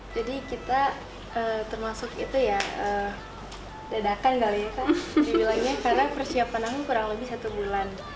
jadi kita termasuk itu ya dadakan kali ya kan karena persiapan aku kurang lebih satu bulan